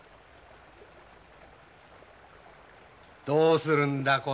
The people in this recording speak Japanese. どうするんだ？